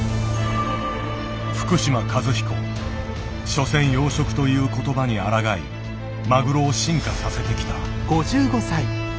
「しょせん養殖」という言葉にあらがいマグロを進化させてきた。